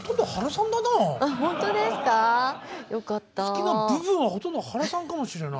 よかった。